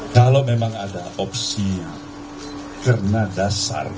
kalau memang ada opsi yang kena dasar